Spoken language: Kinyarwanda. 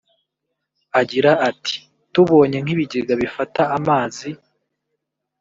Agira ati "Tubonye nk’ibigega bifata amazi